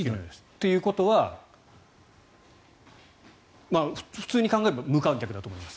ということは、普通に考えれば無観客だと思います。